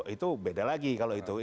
itu beda lagi kalau itu